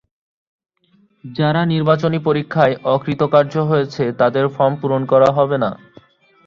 যারা নির্বাচনী পরীক্ষায় অকৃতকার্য হয়েছে, তাদের ফরম পূরণ করা হবে না।